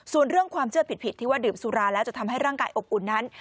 ส่วนเรื่องความเชื่อผิดที่ว่าดื่มสุราแล้วจะทำให้ร่างกายอบอุ่นนั้น